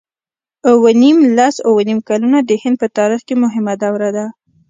اووه نېم لس اووه نېم کلونه د هند په تاریخ کې مهمه دوره ده.